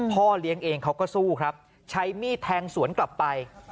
พ่อเลี้ยงเองเขาก็สู้ครับใช้มีดแทงสวนกลับไป